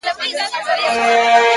پرمختګ د زده کړې له دوام زېږي.!